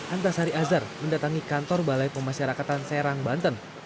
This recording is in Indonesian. antasari azhar mendatangi kantor balai pemasyarakatan serang banten